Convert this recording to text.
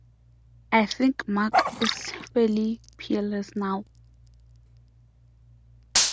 I think Marc is fairly peerless now.